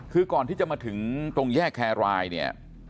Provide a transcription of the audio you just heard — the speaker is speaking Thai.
คือก่อนที่จะมาถึงตรงแยกแครรายเนี่ย